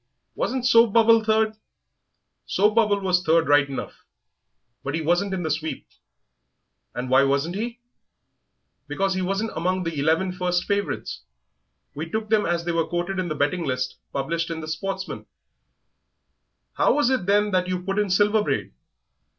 Wasn't Soap bubble third?" "Yes, Soap bubble was third right enough, but he wasn't in the sweep." "And why wasn't he?" "Because he wasn't among the eleven first favourites. We took them as they were quoted in the betting list published in the Sportsman." "How was it, then, that you put in Silver Braid?"